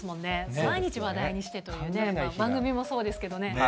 毎日話題にしてという、番組もそうですけどね。